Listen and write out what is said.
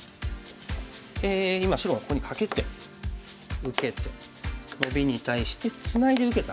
今白がここにカケて受けてノビに対してツナいで受けた。